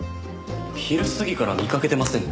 昼過ぎから見かけてません。